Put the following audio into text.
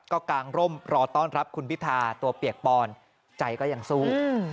ก็กางร่มรอต้อนรับคุณพิธาตัวเปียกปอนใจก็ยังสู้